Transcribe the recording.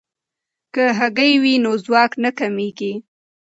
که هګۍ وي نو ځواک نه کمیږي.